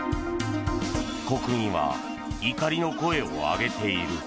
国民は怒りの声を上げている。